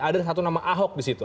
ada satu nama ahok di situ